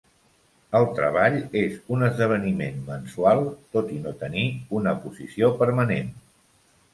El "Treball" és un esdeveniment mensual, tot i no tenir una posició permanent.